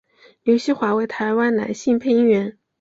刘锡华为台湾男性配音员。